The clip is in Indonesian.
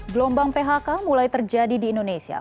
gelombang phk mulai terjadi di indonesia